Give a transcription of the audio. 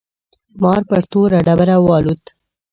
مار پر توره ډبره والوت.